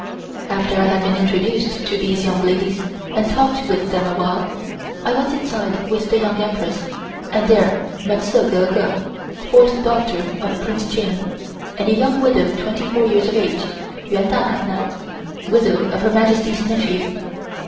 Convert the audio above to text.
After I had been introduced to these young ladies and talked with them a while, I went inside with the Young Empress and there met Sze Gurgur, fourth daughter of Prince Ching and a young widow twenty four years of age, Yuen Da Nai Nai, widow of Her Majesty's nephew.